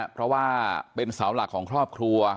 เพราะว่าเป็นเสาหลักของครอบครัว